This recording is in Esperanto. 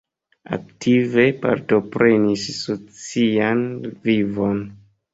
Aktive partoprenis socian vivon.